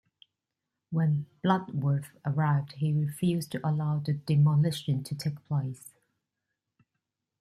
When Bloodworth arrived, he refused to allow the demolition to take place.